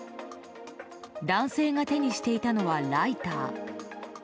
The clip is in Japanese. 男性が手にしていたのはライター。